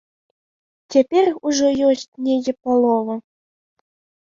Цяпер ужо ёсць недзе палова.